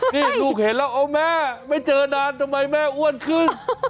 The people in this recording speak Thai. นี่ลูกเห็นแล้วเอาแม่ไม่เจอนานทำไมแม่อ้วนขึ้น